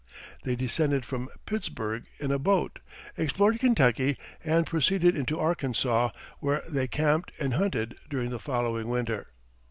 They descended from Pittsburg in a boat, explored Kentucky, and proceeded into Arkansas, where they camped and hunted during the following winter.